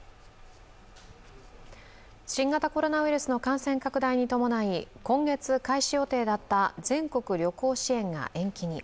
新型コロナウイルスの感染拡大に伴い今月開始予定だった全国旅行支援が延期に。